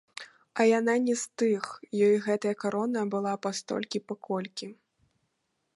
А яна не з тых, ёй гэтая карона была пастолькі-паколькі.